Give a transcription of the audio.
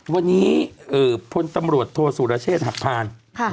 วันนี้พลตำรวจโทษสุรเชษฐ์หักพาน